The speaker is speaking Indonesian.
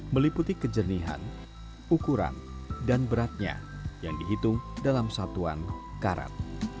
meliputi kejernihan ukuran dan beratnya yang dihitung dalam satuan karat